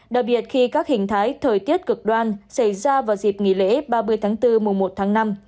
đặc biệt khi các hình thái thời tiết cực đoan xảy ra vào dịp nghỉ lễ ba mươi tháng bốn mùa một tháng năm